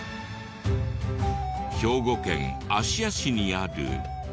兵庫県芦屋市にある。